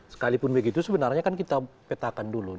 sekalipun begitu sebenarnya kan kita petakan dulu